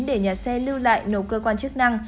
để nhà xe lưu lại nộp cơ quan chức năng